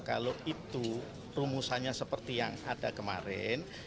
kalau itu rumusannya seperti yang ada kemarin